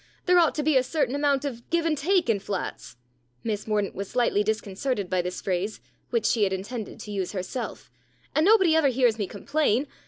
There ought to be a certain amount of give and take in flats" Miss Mordaunt was slightly disconcerted by this phrase, which she had intended to use herself "and nobody ever hears me complain.